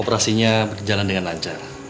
operasinya berjalan dengan lancar